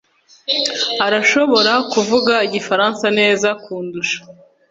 arashobora kuvuga igifaransa neza kundusha